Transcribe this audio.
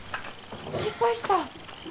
失敗した？